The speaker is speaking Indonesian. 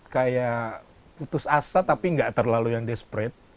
kayak putus asa tapi nggak terlalu yang desperate